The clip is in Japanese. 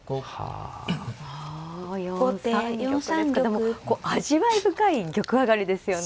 でもこう味わい深い玉上がりですよね。